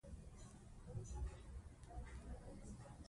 ښځې خپل اقتصادي وضعیت ښه کوي.